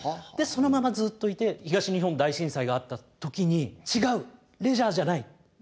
でそのままずっといて東日本大震災があった時に「違うレジャーじゃない。